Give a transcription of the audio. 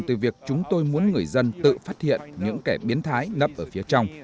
từ việc chúng tôi muốn người dân tự phát hiện những kẻ biến thái nấp ở phía trong